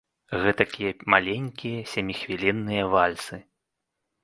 Гэтакія маленькія сяміхвілінныя вальсы.